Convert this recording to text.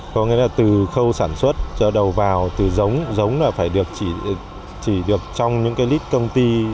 có nghĩa là từ khâu sản xuất cho đầu vào từ giống giống là phải chỉ được trong những cái lit công ty